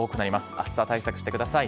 暑さ対策してください。